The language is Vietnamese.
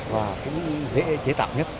và cũng dễ chế tạo nhất